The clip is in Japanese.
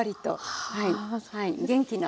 元気な。